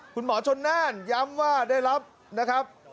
คุณหมอชนน่านย้ำว่าได้รับนะครับ